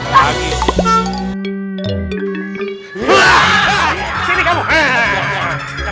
nah ini mereka